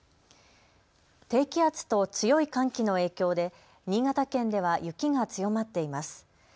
低気圧と強い寒気の影響で新潟県では雪が強まっています。